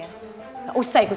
enggak salah dengar